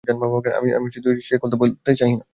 আমি সে কথা বলিতে চাহি না।